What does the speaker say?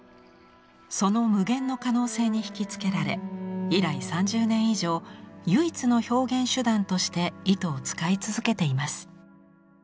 その無限の可能性にひきつけられ以来３０年以上唯一の表現手段として糸を使い続けています。